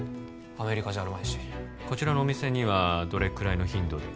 アメリカじゃあるまいしこちらのお店にはどれくらいの頻度で？